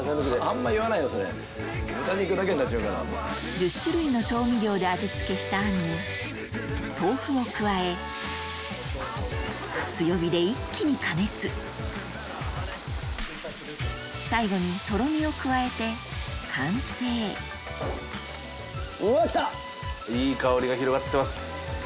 １０種類の調味料で味付けしたあんに豆腐を加え強火で一気に加熱最後にとろみを加えて完成うわきた！